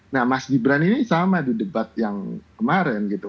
nah mas gibran ini sama di debat yang kemarin gitu